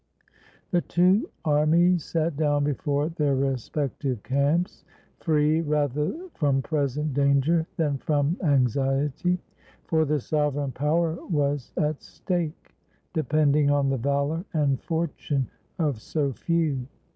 The two armies sat down before their respective camps, free rather from present danger than from anx iety: for the sovereign power was at stake, depending on the valor and fortune of so few.